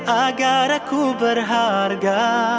agar aku berharga